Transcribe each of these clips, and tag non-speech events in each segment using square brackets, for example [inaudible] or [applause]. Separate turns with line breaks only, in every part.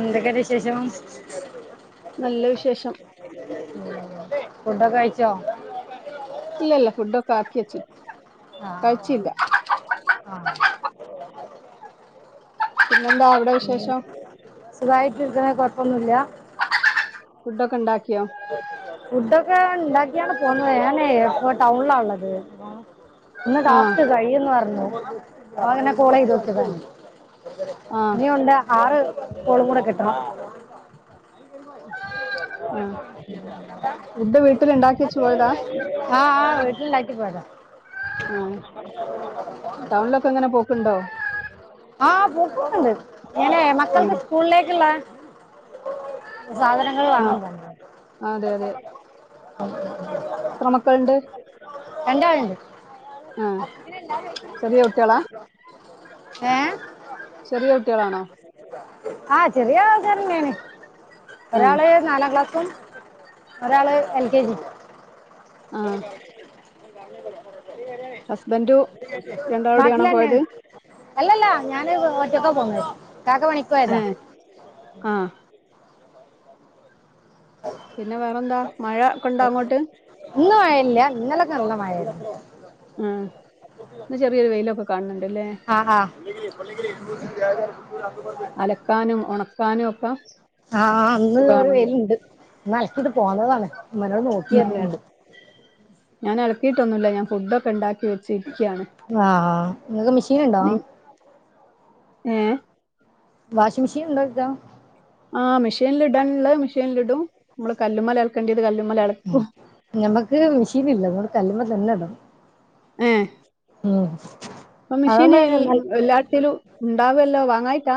ന്തൊക്കെണ്ട് വിശേഷം
നല്ല വിശേഷം
ഫുഡൊക്കെ കഴ്ച്ചോ [unintelligible]
ല്ലല്ല ഫുഡൊക്കെ ആക്കി വച്ചിണ്
ആഹ് ആഹ്
പിന്നെന്താ അവിടെ വിശേഷം
സുഖായിട്ടിർക്ക്ണ് കൊഴപ്പൊന്നുല്ല
ഫുഡൊക്കെണ്ടാക്കിയോ
ഫുഡൊക്കെ ഇണ്ടാക്കിയാണ് പോന്നത് ഞാന് ഇപ്പം ടൗണിലാ ഉള്ളത് ഇന്ന്
ആഹ്
ടാസ്ക് കഴിന്ന് പറഞ്ഞു അങ്ങനെ കോളയ്തോക്കിതാണ്
ആഹ്
ഇഞ്ഞുണ്ട ആറ് കോളും കൂടെ കിട്ടണം [unintelligible]
ആഹ് ഫുഡ് വീട്ടിൽ ഉണ്ടാക്കി വെച്ചു പോയതാ
ആഹ് ആഹ് വീട്ടല്ണ്ടാക്കി പോയതാ [unintelligible]
ആഹ് ടൗണിലൊക്കെ എങ്ങനെ പോക്കുണ്ടോ
ആഹാ പോക്കൊകണ്ട് ഞനെ മക്കൾക്ക്
ആഹ്
സ്കൂളിലേക്ക്ള്ള സാധനങ്ങൾ
ആഹ്
വാങ്ങാൻ പോന്നതാ
അതെ ത്ര മക്കളുണ്ട്
രണ്ടാള്
ആഹ്
ണ്ട്
ചെറിയ കുട്ടികളാ ചെറിയ കുട്ട്യാളാണോ
ആഹ് ചെറിയാൾക്കാരെന്നേണ്
ആഹ്
ഒരാള് നാലാം ക്ലാസ്സും ഒരാള് എൽ കെ ജിം
ആഹ് ഹസ്ബൻഡു
[unintelligible]
രണ്ടാളൂടിയാണോ
നാട്ടിലെന്നെ
പോയത്
അല്ലല്ലാ ഞാന് ഒറ്റക്ക പോന്നേ കാക്ക പണിക്കോയതാ
ഏഹ് ആഹ് പിന്നെ വേറെ എന്താ മഴ ഒക്കെ ഉണ്ടാ അങ്ങോട്ട്
ഇന്ന് മഴല്ല്യ ഇന്നലൊക്കെ നല്ല മഴാർന്നു
ഉം ന്ന് ചെറിയൊരു വെയിലൊക്കെ കാണണ്ട്ല്ലേ
അഹ്
അലക്കാനും ഉണക്കാനും ഒക്കെ
ആഹ് ന്ന് ഒരു
സുഖാണല്ലോ
വെയ്ല്ണ്ട് ന്നൽക്കിട്ട് പോന്നതാണ് മ്മനോ
ഉം ഉം ഞാനൽക്കിട്ടൊന്നുല്ല ഞാൻ ഫുഡൊക്കെ ണ്ടാക്കി വെച്ചിരിക്ക്യാണ്
ആ നിങ്ങൾക്ക് മെഷീൻ ഉണ്ടോ
ഏഹ്
വാഷിംഗ് മെഷീന്ണ്ടോയ്ക്ക
ആഹ് മെഷീനിൽ ഇടാൻള്ളെ മെഷീൻലിടും നമ്മള് കല്ലുമലൽക്കേണ്ടത് കല്ലുമലൽക്കും
ഞമ്മക്ക് മെഷീൻ ഇല്ല അതോണ്ട് കല്ലുമതന്നെ ഇടണം
ഏഹ്
ഉം
പ്പ മെഷീന്
അതുകൊണ്ട് നൽ-
എല്ലാട്ത്തേലും ഉണ്ടാവല്ലോ വാങ്ങായിട്ടാ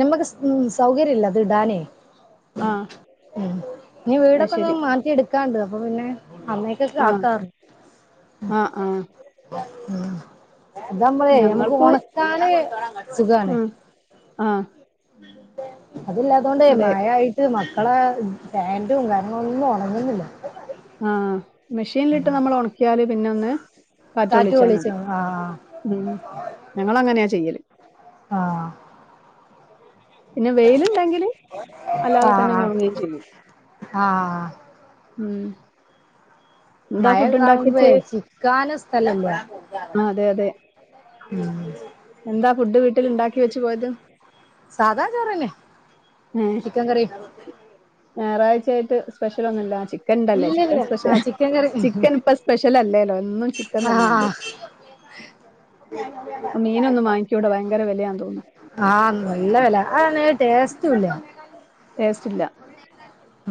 നമ്മക്ക് ഉം സൗകര്യംല്ല അത് ഇടാനേ
ആ
ഉം ഇനി
അത്
വീടൊക്കെ ഒന്ന്
ശരി
മാറ്റി എടുക്കാണ്ട് അപ്പൊ പിന്നെ അന്നേക്ക
ആ
ക്കാക്കാന്ന്
ആ ആ
ഉ അതാവുമ്പോ ഞമ്മുക്ക്
ഞങ്ങൾക്ക്
ഉണക്കാന്
ഉം ആഹ്
അത് ല്ലാതോണ്ടേ
അതെ
മഴായിട്ട ത് മക്കളെ പാൻറും കാര്യങ്ങളൊന്നും ഉണങ്ങുന്നില്ല
ആഹ് മെഷീൻലിട്ട് നമ്മൾ ഉണക്കിയാല് പിന്നൊന്ന്
കാറ്റ്
കാറ്റൊള്ളിച്ചാ മതി
കൊള്ളിച്ചോ ആഹ്
ഉം ഞങ്ങളങ്ങനെയാ ചെയ്യല്
ആഹ്
പിന്നെ വെയിലുണ്ടെങ്കിൽ അല്ലാതെ
ആഹ്
തന്നൊണങ്ങേ ചെയ്യും
ആഹ്
ഉം എന്താ
മഴ
ഫുഡ് ഉണ്ടാക്കി
കാാവുമ്പോ
വെച്ചേ
ചിക്കാന സ്ഥലല്ലേ
ആ അതെ അതെ
ഉം
എന്താ ഫുഡ് വീട്ടിൽ ഉണ്ടാക്കി വെച്ച് പോയത്
സാധാ ചോറന്നെ
ഏ
ചിക്കൻ കറി
ഞായറാഴ്ചയായിട്ട് സ്പെഷ്യൽ ഒന്നുമല്ലോ ചിക്കൻണ്ടല്ലേ
ഇല്ലില്ല
ചിക്കൻ
ആഹ്
സ്പെഷ്യൽ
ചിക്കൻ കറി
ചിക്കൻ ഇപ്പ സ്പെഷ്യൽ അല്ലേല്ലോ ഒന്നും
ആഹ [inaudible]
മീനൊന്നും വാങ്ങിക്കൂടെ ഭയങ്കര വിലയാാ തോന്നുന്നു
ആഹ് ഇള്ള വില അനെ ടേസ്റ്റല്ല
േസ്റ്റ്ല്ല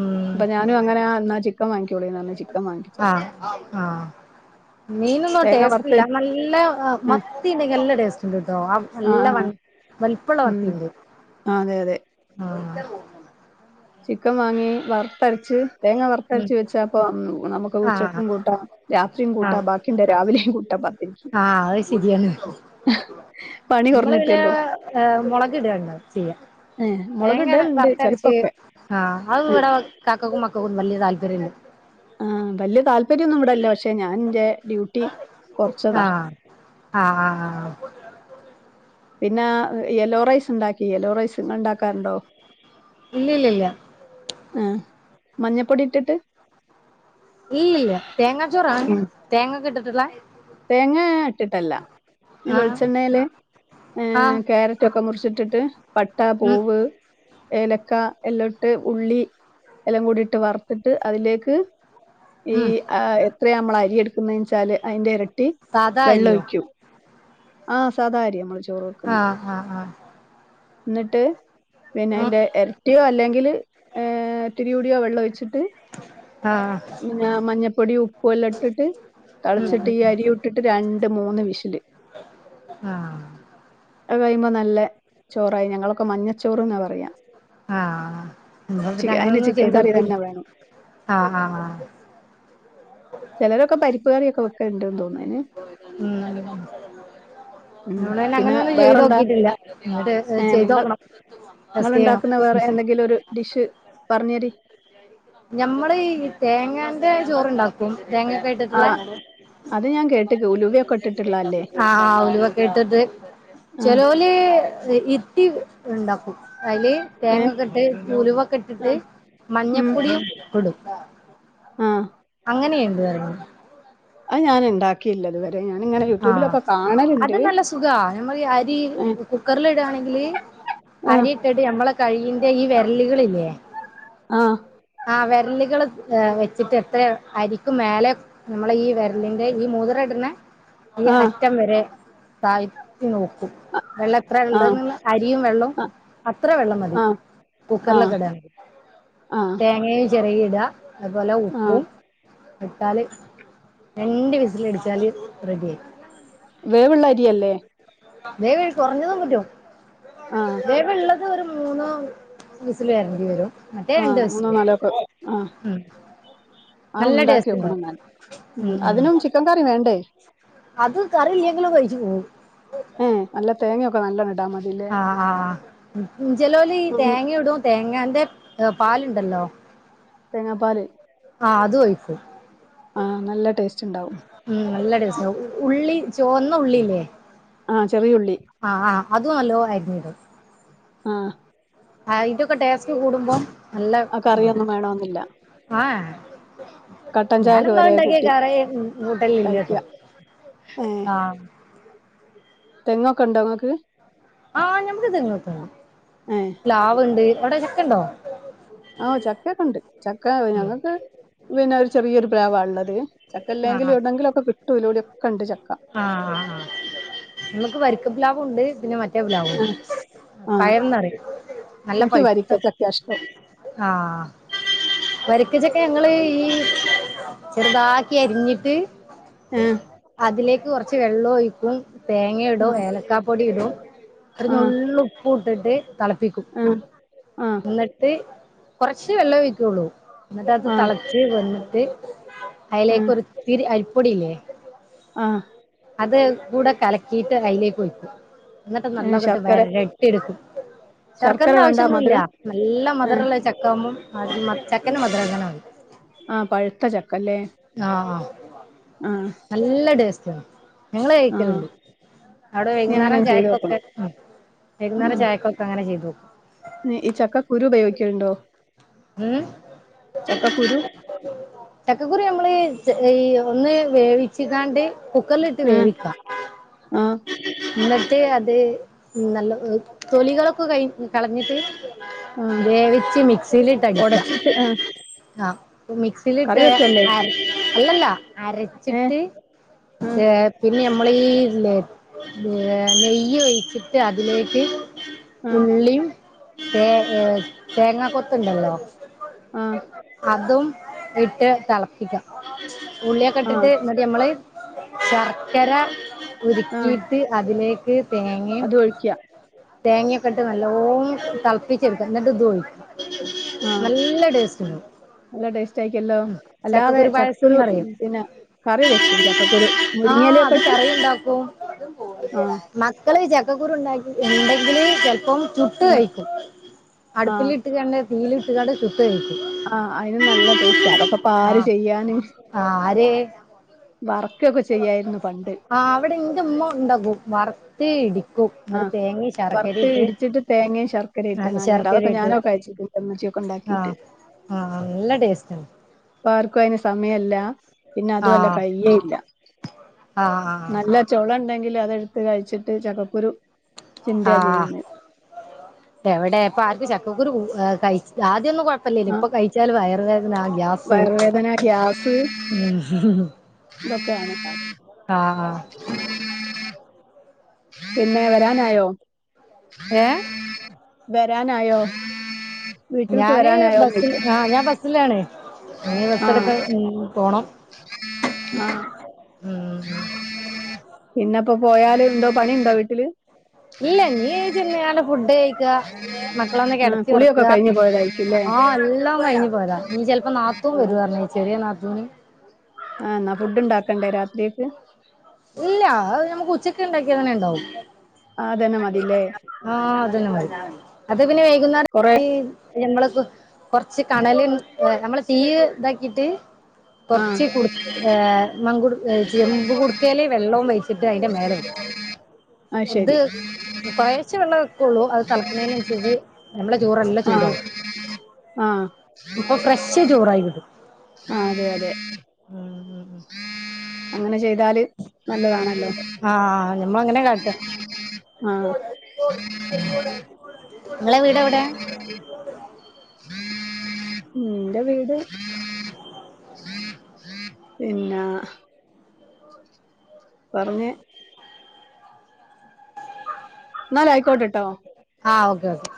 ഉം
അപ്പ ഞാനും അങ്ങനെ എന്നാ ചിക്കൻ വാങ്ങിക്കോള നല്ല ചിക്കൻ വാങ്ങിച്ചാ
ആഹ് ആഹ് മീനൊന്നും
തേങ്ങ
ടേസ്റ്റ്
വറുത്ത്
ഇല്ല നല്ല
ആ
മത്തിനെ നല്ല ടേസ്റ്റ്ണ്ട് കേട്ടോ
ആ
നല്ല
ആ,
വ വലിപ്പള്ള
ഉം
വത്തിീറെ
ആ അതെ അതെ
ആഹ്
ചിക്കൻ വാങ്ങി വറുത്തരച്ച് തേങ്ങ
ഉം
വറുത്തരച്ച് വെച്ചപ്പ നമുക്ക്
ആഹ്
ഉച്ചക്കും കൂട്ടാം രാത്രിയും കൂട്ട
ആഹ്
ബാക്കിണ്ട രാവിലെയും കൂട്ടാ പത്തിക്ക്
സയാണ്
ആ
നമ്മള് ഇല മുളക് ഇടണ ചെയ്യ
ഏഹ് മുളക്
വേങ്ങര
ഇടലുണ്ട്
വർത്തരച്ച
ചെലപ്പൊക്കെ
ആഹ് അത്
ആ
ഇവിടെ കാക്കക്കും മക്കക്കും വലിയ താല്പര്യമില്ല
ആ വല്ിയ താല്പര്യംൊന്നും ഇവിടെല്ലോ പക്ഷെ ഞാൻന്റെ ഡ്യൂട്ടി കുറച്ചതാ
ആഹ് ആഹ ആഹ്
പിന്നെ യെലോ റൈസ് ഉണ്ടാക്കി യെലോ റൈസ് ഇ ഉണ്ടാക്കാറുണ്ടോ
ഇല്ലില്ല
ആ മഞ്ഞപ്പൊടി ഇട്ടിട്ട്
ഇല്ലല്ല തേങ്ങാ ചോറാ
ഉം
തേങ്ങക്കെ ഇട്ടിട്ടുള്ളേ
തേങ്ങ ഇട്ടിട്ടല്ല ഈ
ആഹ്
വെളിച്ചെണ്ണേൽ
ആഹ്
കാരറ്റ് ഇറ്റൊക്കെ മുറിച്ചിട്ടിട്ട് പട്ട
ഉം
പൂവ് ഏലക്ക എല്ലാം ഇട്ട് ഉള്ളി എല്ലാം കൂടി ഇട്ട് വറുത്തിട്ട് അതിലേക്ക് ഈ
ഉം
എത്രയാ നമ്മള് അരിയെടുക്കുനെന്ന് വെച്ചാല് അതിന്റെ ഇരട്ടി
സാധാ
വെള്ള
അരിയോ
ഒഴിക്കും ആഹ് സാരിയ നമ്മള് ചോറ് വെക്കുന്നെ
ആഹ ആഹ് ആഹ
എന്നിട്ട് പിന്നെ
ആഹ്
അതിന്റെ ഇരട്ടിയോ അല്ലെങ്കിൽ ഇത്തിരീയൊടിയൊ വെള്ളം ഒഴിച്ചി പി മഞ്ഞപ്പൊടി ഉപ്പ് എല്ലാം ഇട്ടിട്ട്
ഉം ആഹ് ഉം
തിളച്ചിട്ട്
ഉം
ഈ അരി ട്ടിട്ട് രണ്ട് മൂന്ന് വിഷല്
ഉം ആഹ്
ഒെ കഴിയുമ്പോ നല്ല ചോറായി ഞങ്ങളൊക്കെ മഞ്ഞച്ചോറ്ന്നാ പറയാം
ആഹ നന്നെ അങ്ങനെ
അയിന്
ഒന്നും
ചിക്കൻ
ചെയ്ത്
കറി
നോക്കില്ല
തന്നെ വേണം
ആഹ ആഹ്
ചിലരൊക്കെ പരിപ്പുകാറൊക്കെ വെക്കുണ്ടന്ന് തോന്നുന്നതിന്
ഉം അത
ഉം
അോട തന്നെ അങ്ങന
പിന്നെ
ഒന്നും ചെയ്ത്
വേറെന്താ
നോക്കിട്ടില്ല എന്നങ്ങോട്ട് ചെയ്ത്ോക്കണം
നിങ്ങ ഉണ്ടാക്കുന്ന വേറെ എന്തെങ്കിലും ഒരു ഡിഷ് പറഞ്ഞരി
ഞമ്മള് ഈ തേങ്ങാന്റെ ചോറുണ്ടാക്കും തേങ്ങക്ക
ആഹ് അത് ഞാൻ കേട്ട്ക്ക് ഉലുവയൊക്കെ ഇട്ടിട്ടുള്ളല്ലേ
ആഹ ഉരുവൊക്കെ ഇട്ടിട്ട്
ആഹ്
അ ഇട്ടി ഉണ്ടാക്കും അതില്
ഏഹ്
തേങ്ങൊക്കെ ഇട്ട് ഉലുവൊക്കെ ഇട്ടിട്ട്
ആഹ് ഉം
മഞ്ഞപ്പൊടിയും ഇ ഇടും
ആഹ്
അങ്ങനെയുണ്ട് അ
അത് ഞാൻ ഇണ്ടാക്കിയില്ലത് വരെ ടെ ഞാനിങ്ങനെ യൂ
ആഹ് അത് നല്ല സുഖാ നമ്മൾ അരി
ഏഹ്
കുക്കറിൽ ഇടാണെങ്കില്
ആഹ്
അരി ഇട്ടട്ട് ഞമ്മളെ കഴിയിന്റെ ഈ വിരലികൾല്ലേ
ആഹ്
ആ വെരലുകള് ഏഹ് വെച്ചിട്ട് എത്ര അരിക്കും മേലേ നമ്മളെ ഈ വെരലിന്റെ ഈ മൂതിരടിനെ ഈ
ആഹ്
അറ്റം വരെ തായ്ത്തി നോക്കും വെള്ളം എത്ര
ആഹ്
ഇള്ളെ അരിയും വെള്ളോം അത്ര വെള്ളം മതി
ആഹ് ആഹ് ആഹ്
കുക്കറിലൊക്കെ ഇടാങ്കി
ആഹ്
തേങ്ങേ ചെരകി ഇടാ അതുപോലെ
ആഹ്
ഉപ്പും വിട്ടാല് രണ്ട് വിസില അടിച്ചാല് റെഡി ആയി
വേവ്ള്ളരിയല്ലേ?
വേവ് കൊറഞ്ഞതും പറ്റും
ആഹ്
വേവിള്ള ഒരു മൂന്ന് വിസില് വരണ്ടി വരും മറ്റേ രണ്ട്
ആഹ് മൂന്നോ
വിസിൽ
നാലോ ഒക്കെ ആഹ്
ഉം
ആ
നല്ല
ഉണ്ടാക്കി
ടെസ്റ്റ്‌ണ്ടവും
വെക്കണം എന്നാല്
ഉം ഉം
അതിനും ചിക്കൻ കറി വേണ്ടേ
അത് കറിയില്ലെങ്കിലും കഴിച്ചു പോവും
ഏഹ് നല്ല തേങ്ങയൊക്കെ നല്ലോണം ഇടാമതി
ആഹ് ആഹ് ജലോല് ഈ
ഉം. ഉം.
തേങ്ങ ഇടും തേങ്ങന്റെ പാലുണ്ടല്ലോ
തേങ്ങാപാല്
ആഹ് അത് ഒഴിക്കും
ആഹ് നല്ല ടേസ്റ്റ് ഇണ്ടാവും
ഉം നല്ല ടേസ്റ്റാവും ഉള്ളി ചോന്ന ഉള്ളില്ലേ
ആഹ് ചെറിയുള്ളി
ആഹ് ആഹ് അതും അലോ അരിഞ്ഞിടും
ആഹ്
ആഹ് ഇതൊക്കെ ടേസ്റ്റ് കൂടുമ്പോം നല്ല
ആ കറിയൊന്നും വേണോന്നില്ല
[unintelligible] ആഹ്
കട്ടൻ ചായക്ക്
ഞാനമ്മ
വരെ
ഉണ്ടാക്കിയ
കൂട്ടി
കറി കുട്ടല്ല ഇല്ലട്ടോ
കഴിക്ക ഏഹ്
ആഹ്
തെങ്ങൊക്കെ ഉണ്ടോ ങ്ങൾക്ക്
ആഹ് ഞമ്മക്ക്
ഏഹ്
[unintelligible] പ്ലാവ്ണ്ട് അവടെ ചക്കണ്ടോ?
ആഹ് ചക്ക ഒക്കെണ്ട് ചക്ക
ഉം
ഞങ്ങൾക്ക് പിന്നെ ഒരു ചെറിയൊരു പ്ലാവാഉള്ളത് ചക്ക ഇല്ലെങ്കിലും
ആഹ്
എവിട്നെങ്കിലും ഒക്കെ കിട്ടും ഇലൂടി ഒക്കെ ഉണ്ട് ചക്ക
ആഹ് ആഹ് ആഹ് നമ്മുക്ക് വരിക്കപ്ലാവുണ്ട് പിന്നെ മ പ്ലാവും
ആഹ് ആഹ്
പയന്നറിയും നല്ല
എനിക്ക്
പൈത്ത
വരിക്ക ചക്കയാ ഇഷ്ടം
ആഹ് വരിക്കച്ചക്കെ ഞങ്ങള് ഈ ചെറുതാ എരിഞ്ഞിട്ട്
ഏഹ്
അതിലേക്ക് കുറച്ച് വെള്ളം ഒഴിക്കും തേങ്ങ ഇടും
ആഹ്
ഏലക്കാ പൊടി ഇടും ഒരു
ആഹ്
നുള്ള് ഉപ്പുഇട്ടിട്ട് തിളപ്പിക്കും
ആഹ് ആഹ്
ന്നട്ട് കൊറച്ച് വെള്ളം ഒഴിക്കുള്ളൂ എന്നിട്ട് അത് തിളച്ച് വന്നിട്ട് അതിലേക്ക്
ആഹ്
ഒരുത്തിതിരി അടിപ്പൊടിയില്ലേ
ആഹ്
അത് കൂടെ കലക്കിയിട്ട് അതിലേക്ക് ഒയിക്കും ഇന്നിട്ട്
ആഹ്
നല്ലങ്ങോട്ട്
ശർക്കര
വേര [unintelligible]
ശർക്കര
ശർക്കരന്റെ
വേണ്ട
ആവശ്യ ഒന്നുഇല്യാ
മധുരം
നല്ല
ഏ
മധുരമുള്ള ചക്ക ത്തമ്മും അ മ ചക്കന്റെ മധുരങ്ങനാവും
ആഹ് പഴുത്ത ചക്കല്ലേ
ആഹ് ആ
ആഹ്
നല്ല ടേസ്റ്റ് ഞങ്ങള് കഴിക്കലുണ്ട് അവിടെ
ഇനി അങ്ങനെ
വൈകുന്നേരം
ചെയ്ത്
ചായക്കൊക്കെ
നോക്കണം
ആഹ് വൈകുന്നേരം ചായക്കൊക്കെ അങ്ങനെ ചെയ്തോക്കും
ന്നേ ഈ ചക്കക്കുരു ബേവിക്കലുണ്ടോ
ഏഹ് [inaudible]
ചക്കക്കുരു
ചക്കക്കുരു ഞമ്മള് ഈ ഒന്ന് വേവിച്ച് കാണ്ട് കുക്കറിലിട്ട്
ആ
വേവിക്കാ.
ആ
ന്നിട്ട് അത് നല്ലോ തൊലികളൊക്കെ കഴി കളഞ്ഞിട്ട്
ആ
വേവിച്ച് മിക്സിലിട്ടടിക്കാ
ഒടച്ചിട്ട് ആ
ആ മിക്
കറി
ലിട്ട്
വെക്കല്ലേ
അര അല്ലല്ല
ഏ
അരച്ചിട്ട്
ആ
പിന്നെ മ്മള് ഈ ല്ലേ നെയ്യ് ഒഴിച്ചിട്ട് അതിലേക്ക്
ആ
ഉള്ളിയും തേ ഏർ തേങ്ങാ കൊത്തുണ്ടല്ലോ
ആ
അതും ഇട്ട് തിളപ്പിക്കാ ഉള്ളിയൊക്കെ
ആ
ഇട്ടിട്ട് ന്നിട്ട് നമ്മള് ശർക്കര
ആ
ഉരുക്കിട്ട് അതിലേക്ക് തേങ്ങയും
അത് ഒഴിക്ക
തേങ്ങയൊക്കെ ഇട്ട് നല്ലോ തിളപ്പിച്ചെടുക്കാം എന്നിട്ട് ഇതോഴിക്കും
ആ
നല്ല ടെസ്‌റ്റ് വരും
നല്ല ടേസ്റ്റ് ആയിക്കല്ലോ അല്ലാതെ ചക്ക
പായസം
ക്കുരു
എന്നറിയും
പിന്നെ കറി വെക്കും ചക്കക്കുരു
ആ
മുരിങ്ങയില
അത്
ഒക്കെട്ട്
കറി ഉണ്ടാക്കും [inaudible] മക്കള് ചക്കക്കുരു ഉണ്ടാക്കി ഉണ്ടെങ്കില് ചെലപ്പം ചുട്ട്
ഉം
കഴിക്കും
ആ
അടുപ്പില് ത് ഞങ്ങള് തീയിലിട്ട്ങ്ങാണ്ട് ചുട്ട് കഴിക്കും
ആഹ് അതിന് നല്ല ടേസ്റ്റാണ് തപ്പപ്പ
ആ
ആര് ചെയ്യാന്
ആര്
വറക്കൊക്കെ ചെയ്യായിരുന്നു പണ്ട്
ആഹ് അവിടെ ന്റുമ്മ ണ്ടാകും വർ ത്തി ഇടിക്കു
ആ
ന്നിട്ട് തേങ്ങ ശർക്കര
വറുത്ത്
ഇട്ട്
ഇടിച്ചിട്ട്
ആ ശർക്കര ഇട്ട്
ചിക്കൻ [unintelligible] ഉണ്ടാക്കിട്ട്
ആഹ് നല്ല ടേസ്റ്റ് ആണ്
പ്പാ ർക്കും അയ്ന് സമയേല്ല പിന്നെ
ആ
അതുഅല്ല കയ്യെല്ല
ആ
നല്ലെ ച്ചൊള ണ്ടെങ്കില് അതെടുത്ത് കഴിച്ചിട്ട് ചക്കക്കുരു ചിന്തയാ
ആഹ്
ചെയ്യുന്നത്
എവിടെ ഇപ്പ ആർക്ക് ചക്കക്കുരു കഴി ആദ്യൊന്നു പ്പല്ലേലും ഇപ്പൊ കഴിച്ചാല് വയറ് വേദന ഗ്യാ
വയറു വേദന ഗ്യാസ് ഇതൊക്കെയാണ്
ആഹാ
[inaudible] പിന്നെ വരാനായോ?
ഏ?
വെരാനായോ?
ഞാന് ബസില് ആ ഞാൻ ബസ്സിലാണേ ഇനി ബസ്സ് എടുക്ക മ് പോണം
ആഹ്
ഉം
പിന്നെപ്പോ പോയാല് ണ്ടോ പണിയുണ്ടോ വീട്ടില്?
ഇല്ല ഇനി ചെന്ന് ആണ് ഫുഡ് കഴിക്ക മക്കളൊന്ന്
ആ
കെടത്തി
കുളിയൊക്കെ
ഒറക്ക്അ
കഴിഞ്ഞു പോയതായിരിക്കുംല്ലേ
ആഹ് എല്ലാം കഴിഞ്ഞ്പോയതാ ഇനി ചിലപ്പോ നാത്തും
ആ
വരും പറഞ്ഞ ചെറിയ നാത്തൂന്
ആഹ് ന്നാ ഫുഡ് ഇണ്ടാക്കണ്ടേ രാത്രിയെക്ക്
ഇല്ല അത് ഞമ്മക്ക് ഉച്ചക്ക് ഉണ്ടാക്കിയ തെന്നെ ഇണ്ടാവും
ആ അതന്നെ മതില്ലേ
ആഹ് അതന്നെ അത് പിന്നെ
കൊറെ
വൈകുന്നേരം ഞമ്മള് കൊറച്ച് കണല് നമ്മള് തീ താക്കിട്ട്
ആ
കൊറച് ആ മങ്കുടു ചെമ്പ് കുടുക്കേല് വെള്ളവും വെച്ചിട്ട് അയിന്റെ മേലെ വെക്കു
ആഹ് ശെരി
കൊറേശ്ശേ വെള്ളേ വെക്കുള്ളു അത് തെളക്കണേനനുസരിച്ച് നമ്മടെ ചോറല്ല
ആ
ചൂടാവും
ആഹ്
അപ്പൊ ഫ്രഷ് ചോറായി വരും
ആഹ് അതെ അതെ
[unintelligible]
അങ്ങനെ ചെയ്താല് നല്ലതാണല്ലോ
ആഹ് ഞമ്മളങ്ങനെ കാട്ടാ
ആഹ്
നിങ്ങളെ വീട് എവിടെയ
എന്റെ വീട് പിന്ന പറഞ്ഞ് ഇന്നാലൈക്കോട്ടെട്ടോ
ആഹ് ഓക്കെ ഓക്കെ